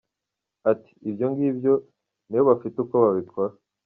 Ati “ ibyo ngibyo nibo bafite uko babikora”.